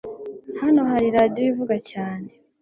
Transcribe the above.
Hano hari radio ivuga cyane